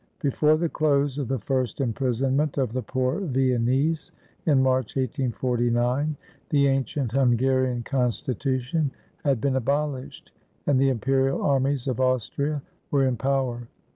Before the close of the first imprisonment of the poor Viennese, in March, 1849, the ancient Hungarian constitution had been abolished, and the imperial armies of Austria were in power.